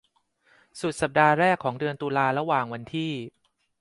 สุดสัปดาห์แรกของเดือนตุลาระหว่างวันที่